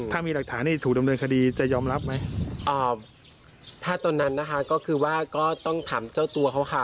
ถ้ามีหลักฐานที่ถูกดำเนินคดีจะยอมรับไหมอ่าถ้าตอนนั้นนะคะก็คือว่าก็ต้องถามเจ้าตัวเขาค่ะ